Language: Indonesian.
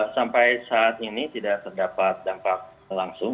sampai saat ini tidak terdapat dampak langsung